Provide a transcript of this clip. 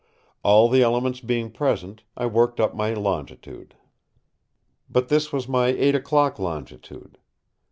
All the elements being present, I worked up my longitude. But this was my eight o'clock longitude.